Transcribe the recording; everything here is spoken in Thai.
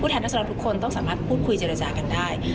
ผู้แทนรัศนาลทุกคนต้องสามารถพูดคุยเจรจากันได้